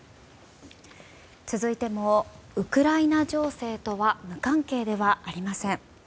続いてもウクライナ情勢とは無関係ではありません。